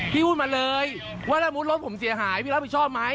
พูดมาเลยว่าถ้ามุติรถผมเสียหายพี่รับผิดชอบไหม